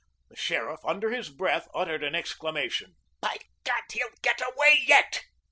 The sheriff, under his breath, uttered an exclamation: "By God, he'll get away yet."